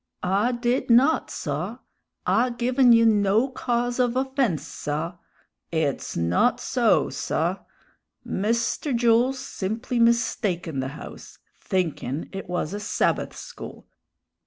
"I did not, saw! I given you no cause of offense, saw! It's not so, saw! Mister Jools simply mistaken the house, thinkin' it was a Sabbath school!